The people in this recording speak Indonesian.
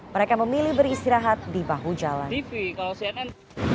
mereka memilih beristirahat di bahu jalan